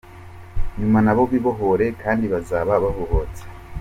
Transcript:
Nyuma nabo bibohore kdi bazaba babohotse!